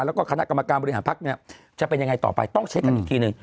แล้วก็คณะกรรมการบริหารภักดิ์เนี่ยจะเป็นยังไงต่อไปต้องเช็คกันอีกทีหนึ่ง